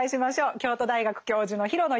京都大学教授の廣野由美子さんです。